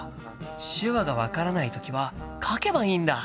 手話が分からない時は書けばいいんだ！